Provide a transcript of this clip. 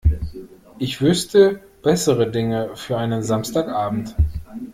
Ich wüsste bessere Dinge für einen Samstagabend.